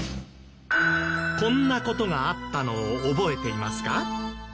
こんな事があったのを覚えていますか？